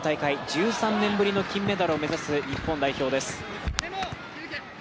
１３年ぶりの金メダルを目指す日本代表です。